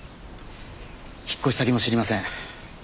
引っ越し先も知りません。